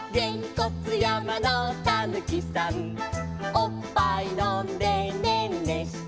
「おっぱい飲んでねんねして」